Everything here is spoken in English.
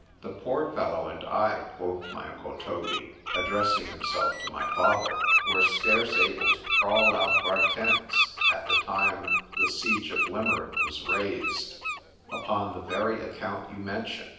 The poor fellow and I, quoth my uncle Toby, addressing himself to my father, were scarce able to crawl out of our tents, at the time the siege of Limerick was raised, upon the very account you mention.